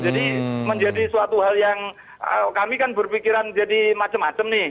jadi menjadi suatu hal yang kami kan berpikiran jadi macam macam nih